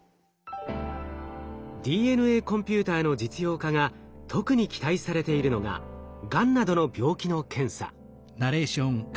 ＤＮＡコンピューターの実用化が特に期待されているのががんなどの病気の検査。